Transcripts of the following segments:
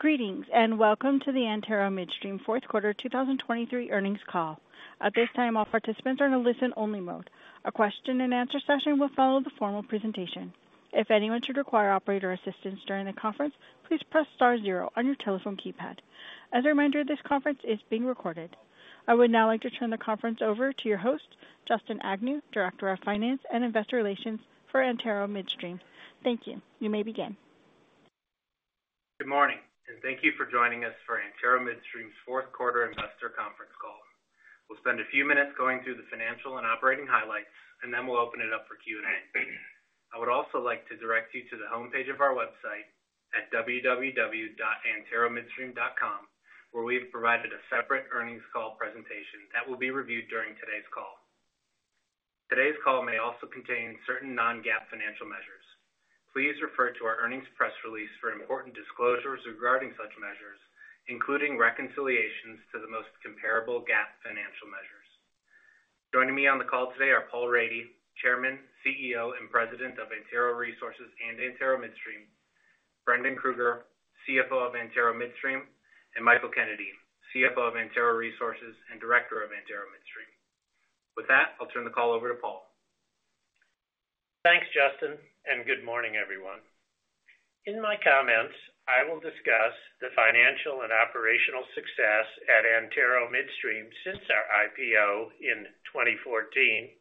Greetings and welcome to the Antero Midstream Fourth Quarter 2023 Earnings Call. At this time, all participants are in a listen-only mode. A question-and-answer session will follow the formal presentation. If anyone should require operator assistance during the conference, please press star zero on your telephone keypad. As a reminder, this conference is being recorded. I would now like to turn the conference over to your host, Justin Agnew, Director of Finance and Investor Relations for Antero Midstream. Thank you. You may begin. Good morning, and thank you for joining us for Antero Midstream's Fourth Quarter Investor Conference call. We'll spend a few minutes going through the financial and operating highlights, and then we'll open it up for Q&A. I would also like to direct you to the homepage of our website at www.anteromidstream.com, where we've provided a separate earnings call presentation that will be reviewed during today's call. Today's call may also contain certain non-GAAP financial measures. Please refer to our earnings press release for important disclosures regarding such measures, including reconciliations to the most comparable GAAP financial measures. Joining me on the call today are Paul Rady, Chairman, CEO, and President of Antero Resources and Antero Midstream, Brendan Krueger, CFO of Antero Midstream, and Michael Kennedy, CFO of Antero Resources and Director of Antero Midstream. With that, I'll turn the call over to Paul. Thanks, Justin, and good morning, everyone. In my comments, I will discuss the financial and operational success at Antero Midstream since our IPO in 2014.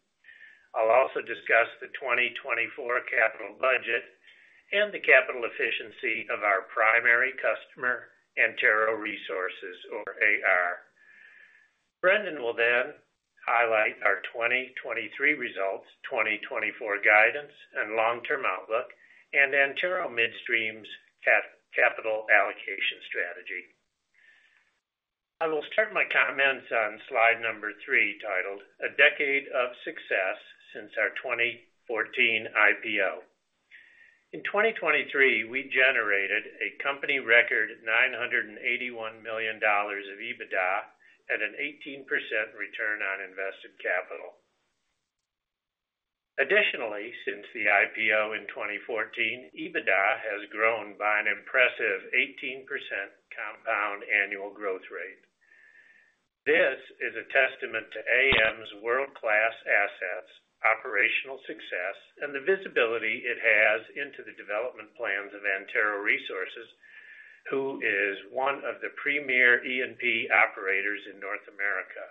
I'll also discuss the 2024 capital budget and the capital efficiency of our primary customer, Antero Resources, or AR. Brendan will then highlight our 2023 results, 2024 guidance, and long-term outlook, and Antero Midstream's capital allocation strategy. I will start my comments on slide number three titled, "A Decade of Success Since Our 2014 IPO." In 2023, we generated a company record $981 million of EBITDA and an 18% return on invested capital. Additionally, since the IPO in 2014, EBITDA has grown by an impressive 18% compound annual growth rate. This is a testament to AM's world-class assets, operational success, and the visibility it has into the development plans of Antero Resources, who is one of the premier E&P operators in North America.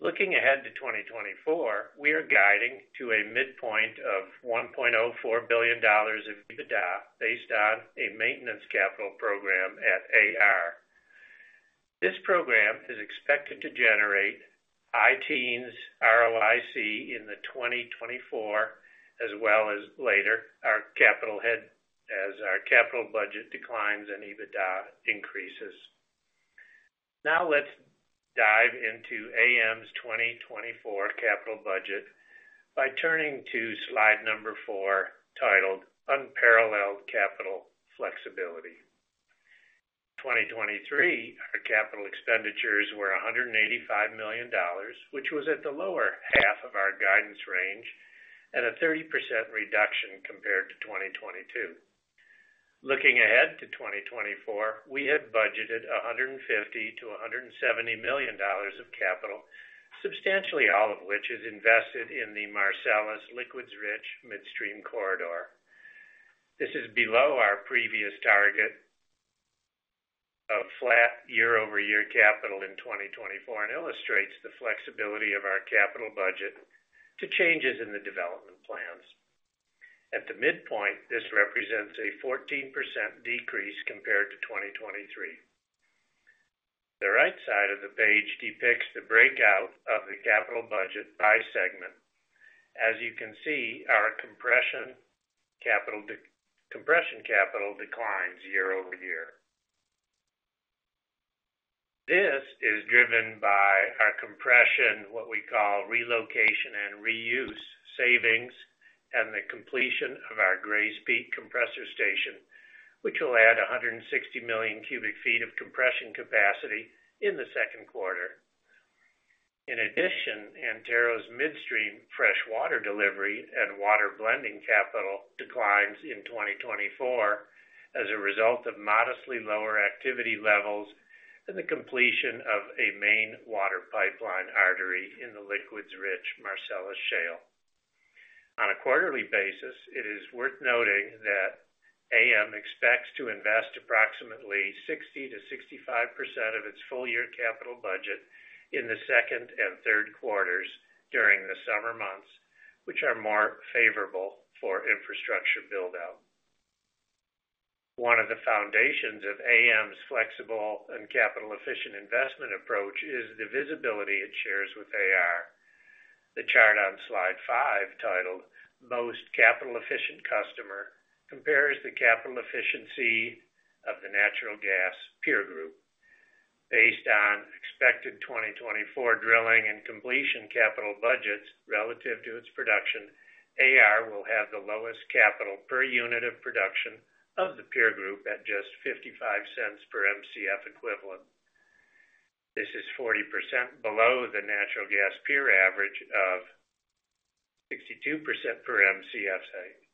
Looking ahead to 2024, we are guiding to a midpoint of $1.04 billion of EBITDA based on a maintenance capital program at AR. This program is expected to generate 10% ROIC in 2024 as well as later, as our capital budget declines and EBITDA increases. Now let's dive into AM's 2024 capital budget by turning to slide number four titled, "Unparalleled Capital Flexibility." In 2023, our capital expenditures were $185 million, which was at the lower half of our guidance range and a 30% reduction compared to 2022. Looking ahead to 2024, we have budgeted $150 million-$170 million of capital, substantially all of which is invested in the Marcellus liquids-rich midstream corridor. This is below our previous target of flat year-over-year capital in 2024 and illustrates the flexibility of our capital budget to changes in the development plans. At the midpoint, this represents a 14% decrease compared to 2023. The right side of the page depicts the breakout of the capital budget by segment. As you can see, our compression capital declines year-over-year. This is driven by our compression, what we call relocation and reuse, savings, and the completion of our Grays Peak compressor station, which will add 160 million cubic feet of compression capacity in the second quarter. In addition, Antero's Midstream freshwater delivery and water blending capital declines in 2024 as a result of modestly lower activity levels and the completion of a main water pipeline artery in the liquids-rich Marcellus Shale. On a quarterly basis, it is worth noting that AM expects to invest approximately 60%-65% of its full-year capital budget in the second and third quarters during the summer months, which are more favorable for infrastructure buildout. One of the foundations of AM's flexible and capital-efficient investment approach is the visibility it shares with AR. The chart on slide five titled "Most Capital Efficient Customer" compares the capital efficiency of the natural gas peer group. Based on expected 2024 drilling and completion capital budgets relative to its production, AR will have the lowest capital per unit of production of the peer group at just $0.55 per MCF equivalent. This is 40% below the natural gas peer average of $0.62 per MCF.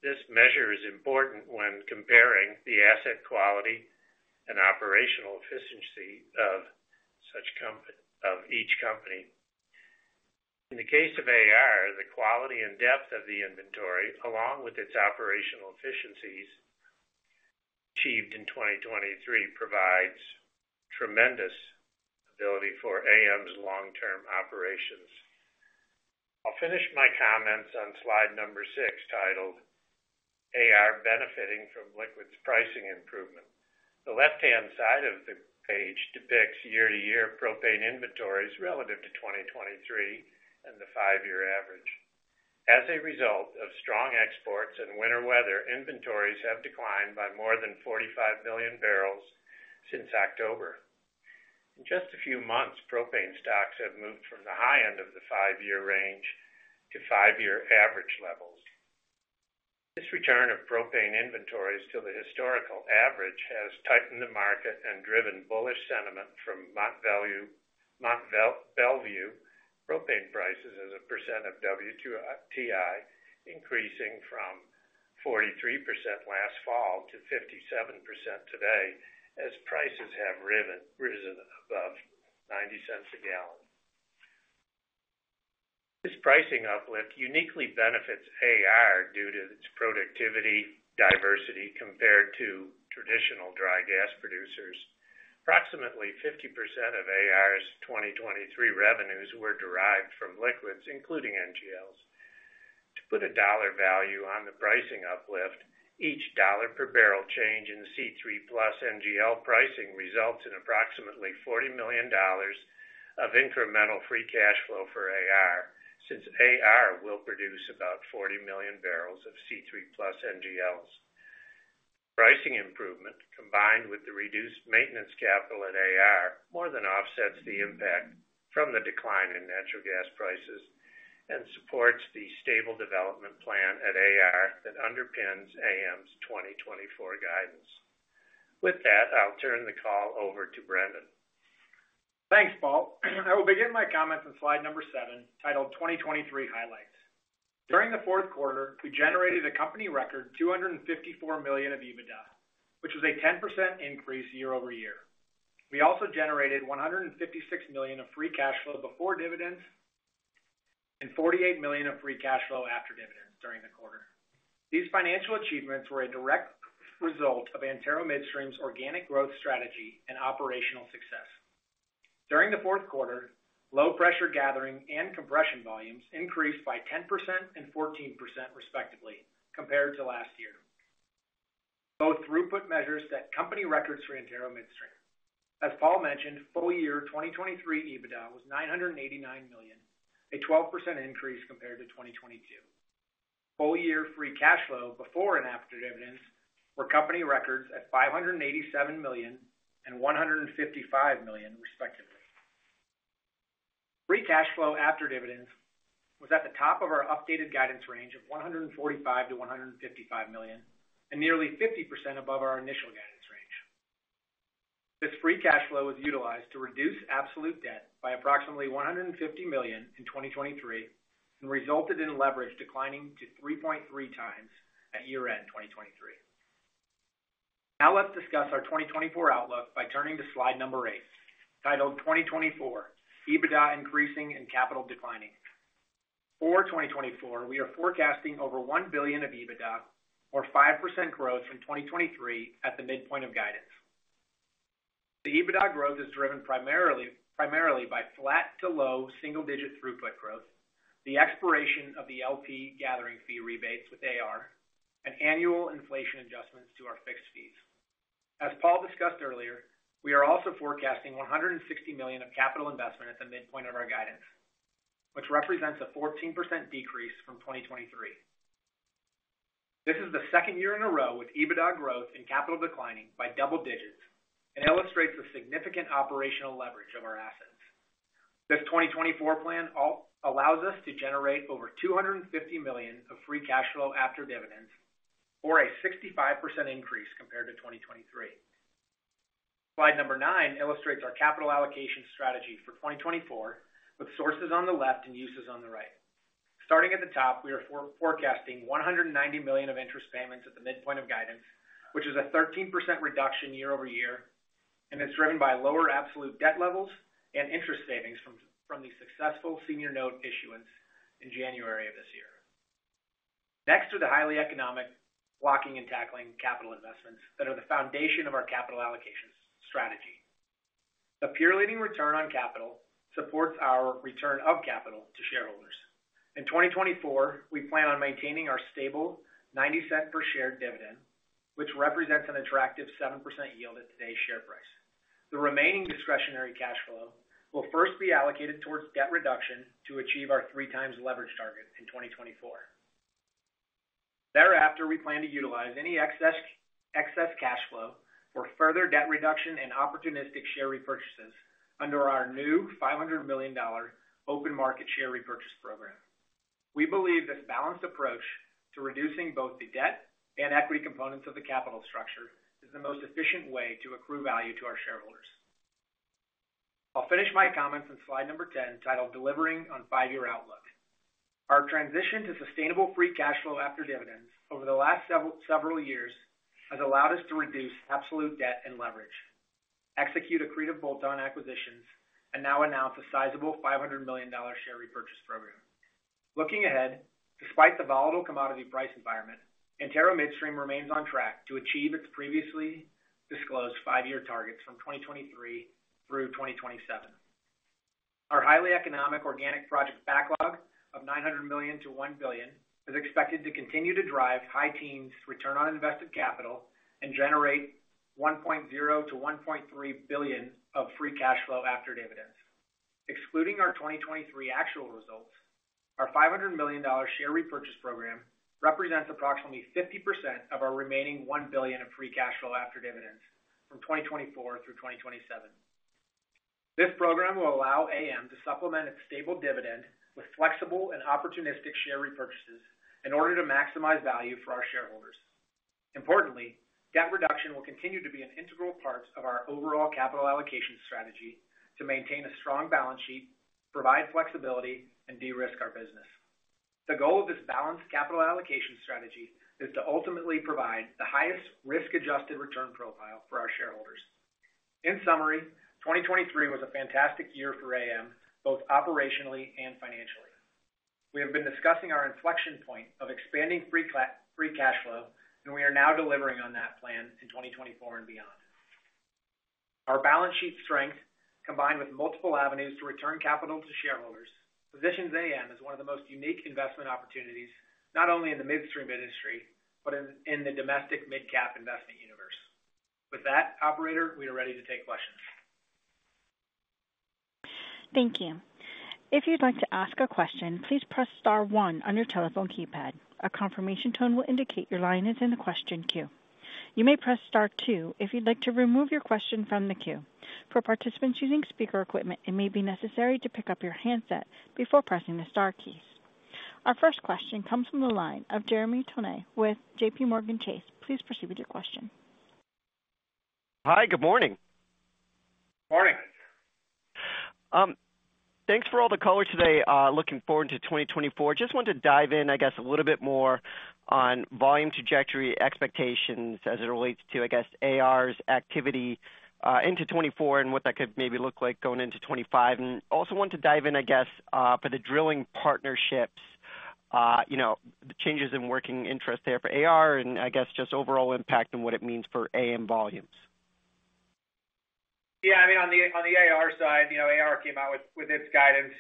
This measure is important when comparing the asset quality and operational efficiency of each company. In the case of AR, the quality and depth of the inventory, along with its operational efficiencies achieved in 2023, provides tremendous ability for AM's long-term operations. I'll finish my comments on slide six titled, "AR Benefiting from Liquids Pricing Improvement." The left-hand side of the page depicts year-to-year propane inventories relative to 2023 and the five-year average. As a result of strong exports and winter weather, inventories have declined by more than 45 million barrels since October. In just a few months, propane stocks have moved from the high end of the five-year range to five-year average levels. This return of propane inventories to the historical average has tightened the market and driven bullish sentiment from Mont Belvieu propane prices as a percent of WTI, increasing from 43% last fall to 57% today as prices have risen above $0.90 a gallon. This pricing uplift uniquely benefits AR due to its productivity diversity compared to traditional dry gas producers. Approximately 50% of AR's 2023 revenues were derived from liquids, including NGLs. To put a dollar value on the pricing uplift, each dollar per barrel change in C3+ NGL pricing results in approximately $40 million of incremental free cash flow for AR, since AR will produce about 40 million barrels of C3+ NGLs. Pricing improvement, combined with the reduced maintenance capital at AR, more than offsets the impact from the decline in natural gas prices and supports the stable development plan at AR that underpins AM's 2024 guidance. With that, I'll turn the call over to Brendan. Thanks, Paul. I will begin my comments on slide number seven titled, "2023 Highlights." During the fourth quarter, we generated a company record $254 million of EBITDA, which was a 10% increase year-over-year. We also generated $156 million of free cash flow before dividends and $48 million of free cash flow after dividends during the quarter. These financial achievements were a direct result of Antero Midstream's organic growth strategy and operational success. During the fourth quarter, low-pressure gathering and compression volumes increased by 10% and 14%, respectively, compared to last year. Both throughput measures set company records for Antero Midstream. As Paul mentioned, full-year 2023 EBITDA was $989 million, a 12% increase compared to 2022. Full-year free cash flow before and after dividends were company records at $587 million and $155 million, respectively. Free cash flow after dividends was at the top of our updated guidance range of $145 million-$155 million and nearly 50% above our initial guidance range. This free cash flow was utilized to reduce absolute debt by approximately $150 million in 2023 and resulted in leverage declining to 3.3x at year-end 2023. Now let's discuss our 2024 outlook by turning to slide number eight titled, "2024: EBITDA Increasing and Capital Declining." For 2024, we are forecasting over $1 billion of EBITDA, or 5% growth from 2023 at the midpoint of guidance. The EBITDA growth is driven primarily by flat to low single-digit throughput growth, the expiration of the LP gathering fee rebates with AR, and annual inflation adjustments to our fixed fees. As Paul discussed earlier, we are also forecasting $160 million of capital investment at the midpoint of our guidance, which represents a 14% decrease from 2023. This is the second year in a row with EBITDA growth and capital declining by double digits and illustrates the significant operational leverage of our assets. This 2024 plan allows us to generate over $250 million of free cash flow after dividends, or a 65% increase compared to 2023. Slide number nine illustrates our capital allocation strategy for 2024 with sources on the left and uses on the right. Starting at the top, we are forecasting $190 million of interest payments at the midpoint of guidance, which is a 13% reduction year-over-year, and it's driven by lower absolute debt levels and interest savings from the successful senior note issuance in January of this year. Next are the highly economic blocking and tackling capital investments that are the foundation of our capital allocation strategy. The peer-leading return on capital supports our return of capital to shareholders. In 2024, we plan on maintaining our stable $0.90 per share dividend, which represents an attractive 7% yield at today's share price. The remaining discretionary cash flow will first be allocated towards debt reduction to achieve our 3x leverage target in 2024. Thereafter, we plan to utilize any excess cash flow for further debt reduction and opportunistic share repurchases under our new $500 million open market share repurchase program. We believe this balanced approach to reducing both the debt and equity components of the capital structure is the most efficient way to accrue value to our shareholders. I'll finish my comments on slide number 10 titled, "Delivering on Five-Year Outlook." Our transition to sustainable free cash flow after dividends over the last several years has allowed us to reduce absolute debt and leverage, execute accretive bolt-on acquisitions, and now announce a sizable $500 million share repurchase program. Looking ahead, despite the volatile commodity price environment, Antero Midstream remains on track to achieve its previously disclosed five-year targets from 2023 through 2027. Our highly economic organic project backlog of $900 million to $1 billion is expected to continue to drive Antero's return on invested capital and generate $1.0 billion-$1.3 billion of free cash flow after dividends. Excluding our 2023 actual results, our $500 million share repurchase program represents approximately 50% of our remaining $1 billion of free cash flow after dividends from 2024 through 2027. This program will allow AM to supplement its stable dividend with flexible and opportunistic share repurchases in order to maximize value for our shareholders. Importantly, debt reduction will continue to be an integral part of our overall capital allocation strategy to maintain a strong balance sheet, provide flexibility, and de-risk our business. The goal of this balanced capital allocation strategy is to ultimately provide the highest risk-adjusted return profile for our shareholders. In summary, 2023 was a fantastic year for AM, both operationally and financially. We have been discussing our inflection point of expanding free cash flow, and we are now delivering on that plan in 2024 and beyond. Our balance sheet strength, combined with multiple avenues to return capital to shareholders, positions AM as one of the most unique investment opportunities not only in the midstream industry but in the domestic mid-cap investment universe. With that, operator, we are ready to take questions. Thank you. If you'd like to ask a question, please press star one on your telephone keypad. A confirmation tone will indicate your line is in the question queue. You may press star two if you'd like to remove your question from the queue. For participants using speaker equipment, it may be necessary to pick up your handset before pressing the star keys. Our first question comes from the line of Jeremy Tonet with JPMorgan Chase. Please proceed with your question. Hi. Good morning. Morning. Thanks for all the color today. Looking forward to 2024. Just want to dive in, I guess, a little bit more on volume trajectory expectations as it relates to, I guess, AR's activity into 2024 and what that could maybe look like going into 2025. Also want to dive in, I guess, for the drilling partnerships, the changes in working interest there for AR, and I guess just overall impact and what it means for AM volumes. Yeah. I mean, on the AR side, AR came out with its guidance,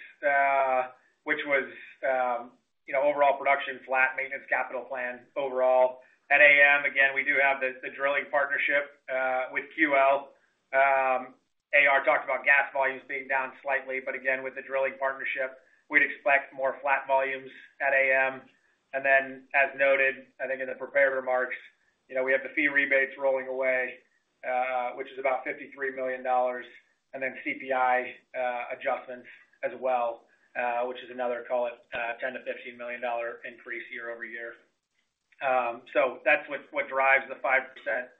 which was overall production, flat maintenance capital plan overall. At AM, again, we do have the drilling partnership with QL. AR talked about gas volumes being down slightly, but again, with the drilling partnership, we'd expect more flat volumes at AM. And then, as noted, I think in the prepared remarks, we have the fee rebates rolling away, which is about $53 million, and then CPI adjustments as well, which is another, call it, $10 million-$15 million increase year-over-year. So that's what drives the 5%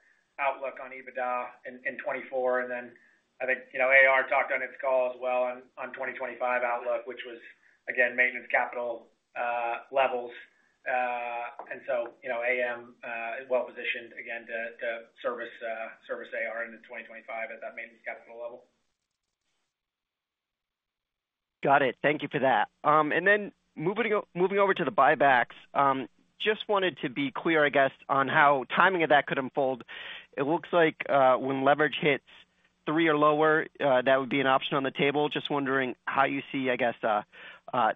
outlook on EBITDA in 2024. And then I think AR talked on its call as well on 2025 outlook, which was, again, maintenance capital levels. And so AM is well positioned, again, to service AR into 2025 at that maintenance capital level. Got it. Thank you for that. And then moving over to the buybacks, just wanted to be clear, I guess, on how timing of that could unfold. It looks like when leverage hits three or lower, that would be an option on the table. Just wondering how you see, I guess, a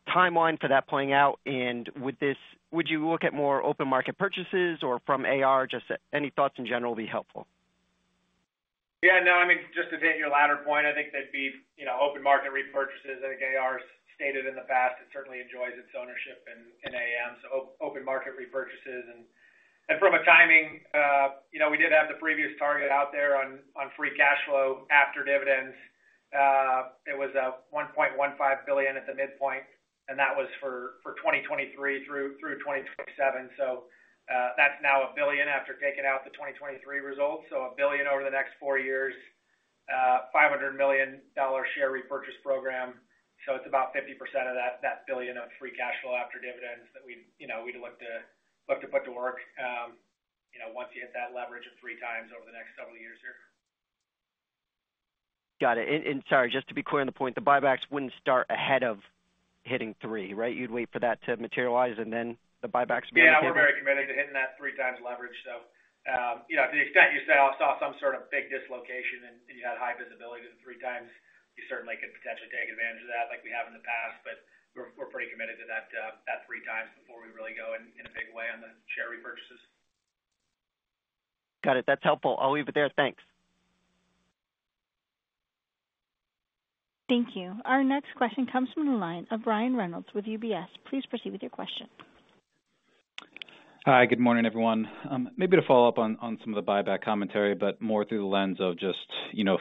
timeline for that playing out. And with this, would you look at more open market purchases or from AR? Just any thoughts in general would be helpful. Yeah. No. I mean, just to take your latter point, I think that'd be open market repurchases. I think AR has stated in the past it certainly enjoys its ownership in AM. So open market repurchases. And from a timing, we did have the previous target out there on free cash flow after dividends. It was $1.15 billion at the midpoint, and that was for 2023 through 2027. So that's now $1 billion after taking out the 2023 results. So $1 billion over the next four years, $500 million share repurchase program. So it's about 50% of that $1 billion of free cash flow after dividends that we'd look to put to work once you hit that leverage of 3x over the next several years here. Got it. And sorry, just to be clear on the point, the buybacks wouldn't start ahead of hitting three, right? You'd wait for that to materialize, and then the buybacks would be on table? Yeah. No. We're very committed to hitting that 3x leverage. So to the extent you saw some sort of big dislocation and you had high visibility to the 3x, you certainly could potentially take advantage of that like we have in the past. But we're pretty committed to that 3x before we really go in a big way on the share repurchases. Got it. That's helpful. I'll leave it there. Thanks. Thank you. Our next question comes from the line of Brian Reynolds with UBS. Please proceed with your question. Hi. Good morning, everyone. Maybe to follow up on some of the buyback commentary, but more through the lens of just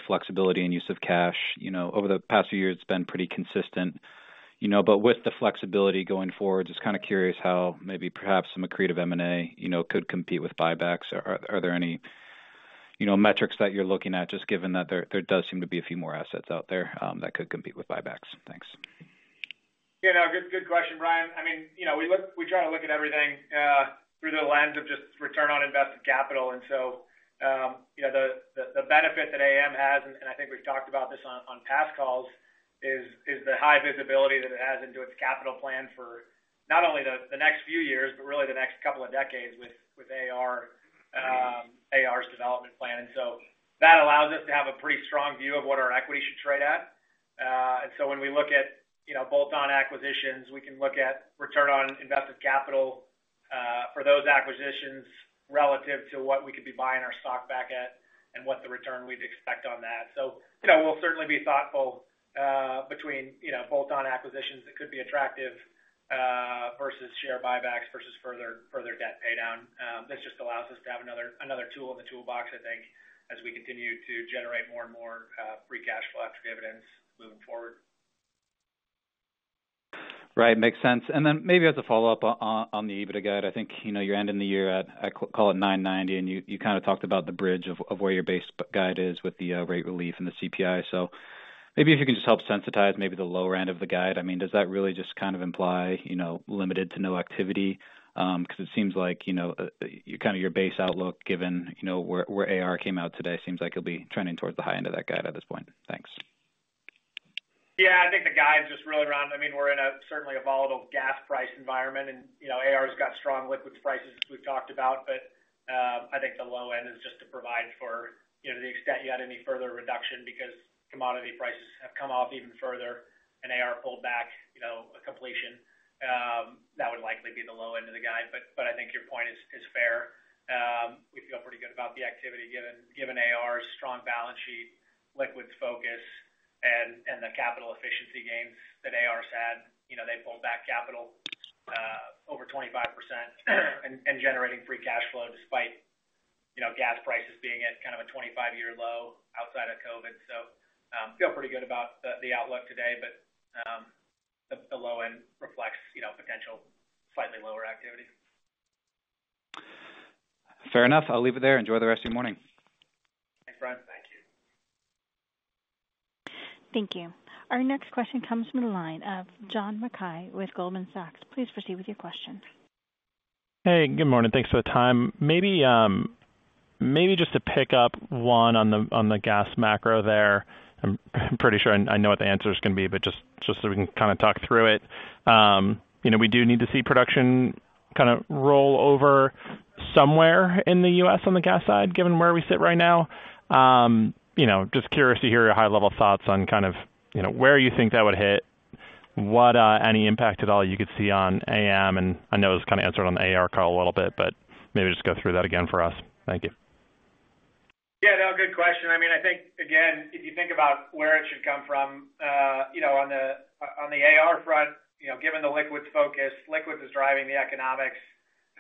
flexibility and use of cash. Over the past few years, it's been pretty consistent. But with the flexibility going forward, just kind of curious how maybe perhaps some accretive M&A could compete with buybacks. Are there any metrics that you're looking at, just given that there does seem to be a few more assets out there that could compete with buybacks? Thanks. Yeah. No. Good question, Brian. I mean, we try to look at everything through the lens of just return on invested capital. And so the benefit that AM has, and I think we've talked about this on past calls, is the high visibility that it has into its capital plan for not only the next few years but really the next couple of decades with AR's development plan. And so that allows us to have a pretty strong view of what our equity should trade at. And so when we look at bolt-on acquisitions, we can look at return on invested capital for those acquisitions relative to what we could be buying our stock back at and what the return we'd expect on that. So we'll certainly be thoughtful between bolt-on acquisitions that could be attractive versus share buybacks versus further debt paydown. This just allows us to have another tool in the toolbox, I think, as we continue to generate more and more free cash flow after dividends moving forward. Right. Makes sense. And then maybe as a follow-up on the EBITDA guide, I think you're ending the year at, call it, $990, and you kind of talked about the bridge of where your base guide is with the rate relief and the CPI. So maybe if you can just help sensitize maybe the lower end of the guide. I mean, does that really just kind of imply limited to no activity? Because it seems like kind of your base outlook, given where AR came out today, seems like it'll be trending towards the high end of that guide at this point. Thanks. Yeah. I think the guide's just really around. I mean, we're in certainly a volatile gas price environment, and AR has got strong liquids prices, as we've talked about. But I think the low end is just to provide for to the extent you had any further reduction because commodity prices have come off even further and AR pulled back a completion, that would likely be the low end of the guide. But I think your point is fair. We feel pretty good about the activity, given AR's strong balance sheet, liquids focus, and the capital efficiency gains that AR's had. They pulled back capital over 25% and generating free cash flow despite gas prices being at kind of a 25-year low outside of COVID. So feel pretty good about the outlook today, but the low end reflects potential slightly lower activity. Fair enough. I'll leave it there. Enjoy the rest of your morning. Thanks, Brian. Thank you. Thank you. Our next question comes from the line of John Mackay with Goldman Sachs. Please proceed with your question. Hey. Good morning. Thanks for the time. Maybe just to pick up one on the gas macro there. I'm pretty sure I know what the answer is going to be, but just so we can kind of talk through it. We do need to see production kind of roll over somewhere in the U.S. on the gas side, given where we sit right now. Just curious to hear your high-level thoughts on kind of where you think that would hit, any impact at all you could see on AM. And I know it was kind of answered on the AR call a little bit, but maybe just go through that again for us. Thank you. Yeah. No. Good question. I mean, I think, again, if you think about where it should come from, on the AR front, given the liquids focus, liquids is driving the economics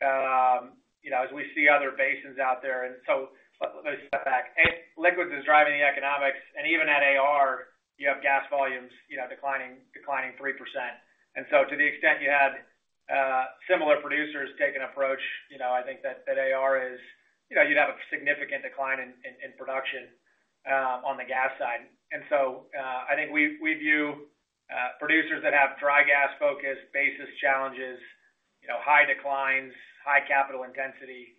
as we see other basins out there. And so let me step back. Liquids is driving the economics. And even at AR, you have gas volumes declining 3%. And so to the extent you had similar producers take an approach, I think that AR is you'd have a significant decline in production on the gas side. And so I think we view producers that have dry gas focus, basis challenges, high declines, high capital intensity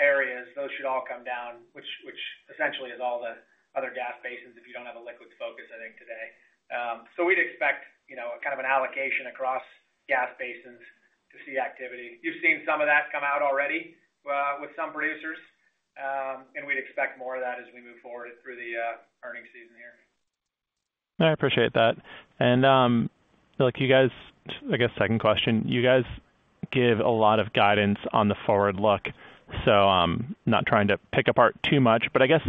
areas, those should all come down, which essentially is all the other gas basins if you don't have a liquids focus, I think, today. So we'd expect kind of an allocation across gas basins to see activity. You've seen some of that come out already with some producers, and we'd expect more of that as we move forward through the earnings season here. I appreciate that. And you guys, I guess, second question. You guys give a lot of guidance on the forward look. So not trying to pick apart too much, but I guess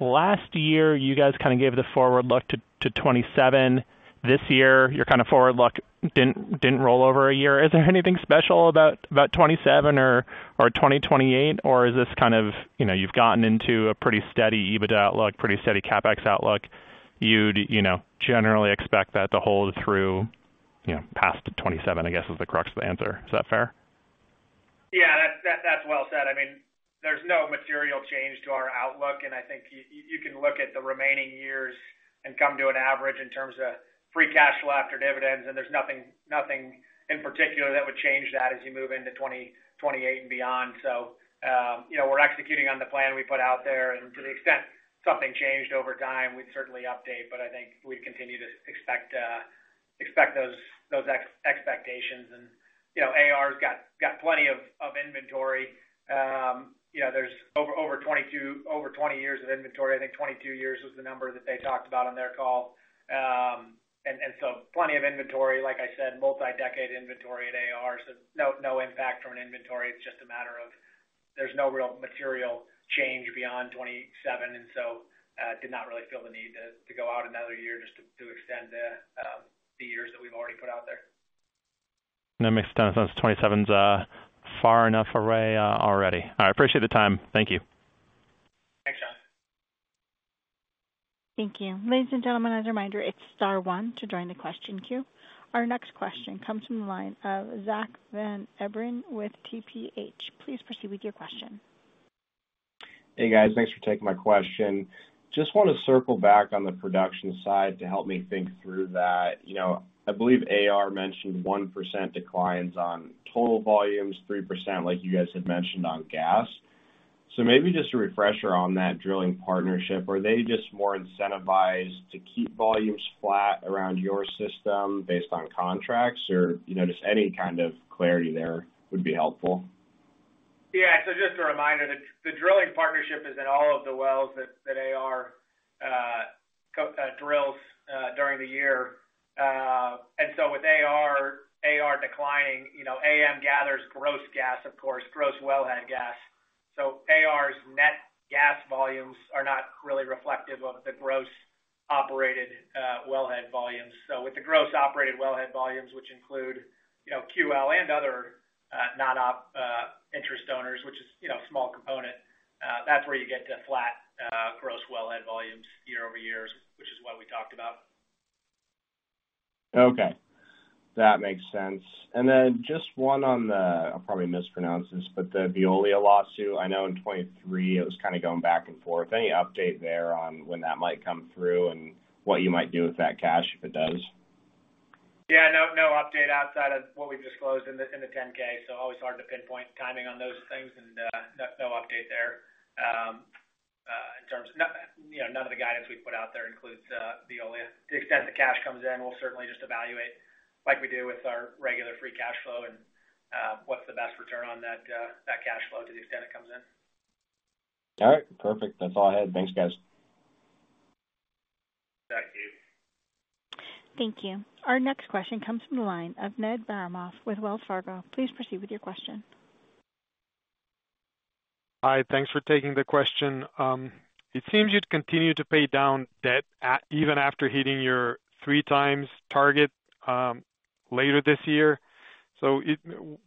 last year, you guys kind of gave the forward look to 2027. This year, your kind of forward look didn't roll over a year. Is there anything special about 2027 or 2028, or is this kind of you've gotten into a pretty steady EBITDA outlook, pretty steady CapEx outlook? You'd generally expect that to hold through past 2027, I guess, is the crux of the answer. Is that fair? Yeah. That's well said. I mean, there's no material change to our outlook, and I think you can look at the remaining years and come to an average in terms of free cash flow after dividends, and there's nothing in particular that would change that as you move into 2028 and beyond. So we're executing on the plan we put out there. And to the extent something changed over time, we'd certainly update, but I think we'd continue to expect those expectations. And AR's got plenty of inventory. There's over 20 years of inventory. I think 22 years was the number that they talked about on their call. And so plenty of inventory. Like I said, multi-decade inventory at AR. So no impact from an inventory. It's just a matter of there's no real material change beyond 2027, and so did not really feel the need to go out another year just to extend the years that we've already put out there. That makes total sense. 2027's far enough away already. All right. Appreciate the time. Thank you. Thanks, John. Thank you. Ladies and gentlemen, as a reminder, it's star one to join the question queue. Our next question comes from the line of Zack Van Everen with TPH. Please proceed with your question. Hey, guys. Thanks for taking my question. Just want to circle back on the production side to help me think through that. I believe AR mentioned 1% declines on total volumes, 3%, like you guys had mentioned, on gas. So maybe just a refresher on that drilling partnership. Are they just more incentivized to keep volumes flat around your system based on contracts, or just any kind of clarity there would be helpful? Yeah. So just a reminder, the drilling partnership is in all of the wells that AR drills during the year. And so with AR declining, AM gathers gross gas, of course, gross wellhead gas. So AR's net gas volumes are not really reflective of the gross operated wellhead volumes. So with the gross operated wellhead volumes, which include QL and other non-op interest owners, which is a small component, that's where you get to flat gross wellhead volumes year-over-year, which is what we talked about. Okay. That makes sense. And then just one on the. I'll probably mispronounce this, but the Veolia lawsuit. I know in 2023, it was kind of going back and forth. Any update there on when that might come through and what you might do with that cash if it does? Yeah. No update outside of what we've disclosed in the 10-K. So always hard to pinpoint timing on those things, and no update there in terms of none of the guidance we've put out there includes Veolia. To the extent the cash comes in, we'll certainly just evaluate like we do with our regular free cash flow and what's the best return on that cash flow to the extent it comes in. All right. Perfect. That's all I had. Thanks, guys. Thank you. Thank you. Our next question comes from the line of Ned Baramov with Wells Fargo. Please proceed with your question. Hi. Thanks for taking the question. It seems you'd continue to pay down debt even after hitting your 3x target later this year. So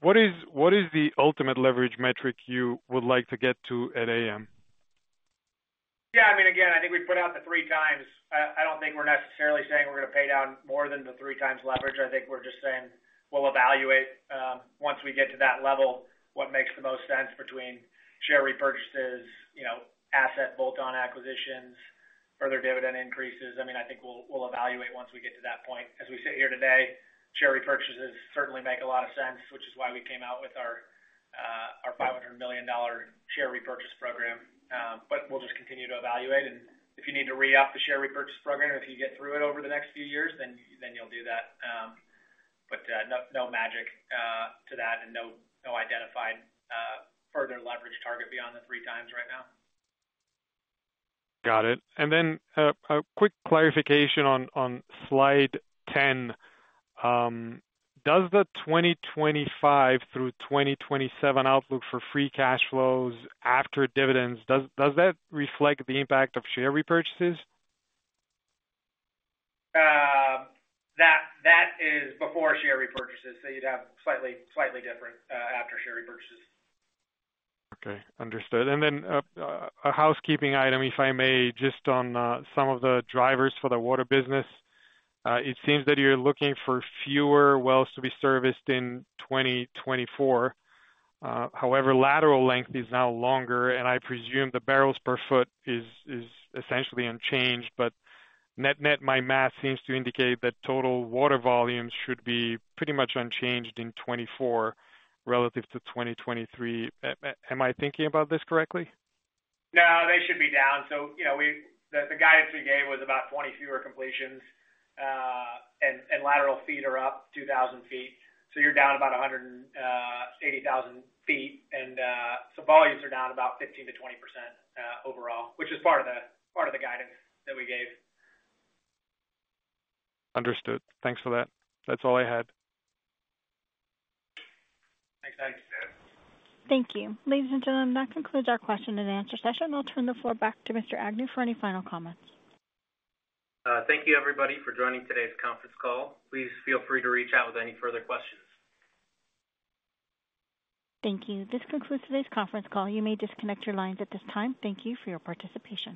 what is the ultimate leverage metric you would like to get to at AM? Yeah. I mean, again, I think we put out the 3x. I don't think we're necessarily saying we're going to pay down more than the 3x leverage. I think we're just saying we'll evaluate once we get to that level what makes the most sense between share repurchases, asset bolt-on acquisitions, further dividend increases. I mean, I think we'll evaluate once we get to that point. As we sit here today, share repurchases certainly make a lot of sense, which is why we came out with our $500 million share repurchase program. But we'll just continue to evaluate. And if you need to re-up the share repurchase program, if you get through it over the next few years, then you'll do that. But no magic to that and no identified further leverage target beyond the 3x right now. Got it. And then a quick clarification on slide 10. Does the 2025 through 2027 outlook for free cash flows after dividends reflect the impact of share repurchases? That is before share repurchases, so you'd have slightly different after share repurchases. Okay. Understood. And then a housekeeping item, if I may, just on some of the drivers for the water business. It seems that you're looking for fewer wells to be serviced in 2024. However, lateral length is now longer, and I presume the barrels per foot is essentially unchanged. But net-net, my math seems to indicate that total water volumes should be pretty much unchanged in 2024 relative to 2023. Am I thinking about this correctly? No. They should be down. So the guidance we gave was about 20 fewer completions, and lateral feet are up 2,000 ft. So you're down about 180,000 ft, and so volumes are down about 15%-20% overall, which is part of the guidance that we gave. Understood. Thanks for that. That's all I had. Thanks, guys. Thank you. Ladies and gentlemen, that concludes our question-and-answer session. I'll turn the floor back to Mr. Agnew for any final comments. Thank you, everybody, for joining today's conference call. Please feel free to reach out with any further questions. Thank you. This concludes today's conference call. You may disconnect your lines at this time. Thank you for your participation.